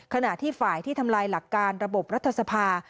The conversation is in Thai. ขณะที่ฝ่ายที่ทำลายหลักการระบบรัฐสภา